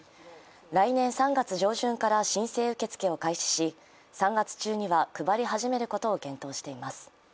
来年３月上旬から申請受付を開始し３月中には配り始めることを検討しています。